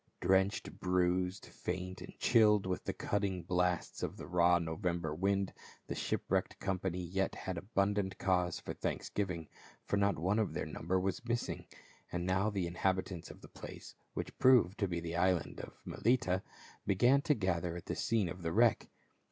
Drenched, bruised, faint, and chilled with the cutting blasts of the raw November wind, the shipwrecked company yet had abundant cause for thanksgiving, for not one of their number was missing. And now the inhabitants of the place, which proved to be the island of Melita, began to gather at the scene of the wreck.